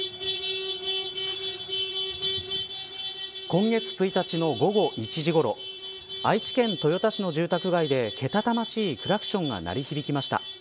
今月１日の午後１時ごろ愛知県豊田市の住宅街でけたたましいクラクションが鳴り響きました。